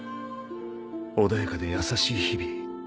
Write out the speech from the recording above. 穏やかで優しい日々。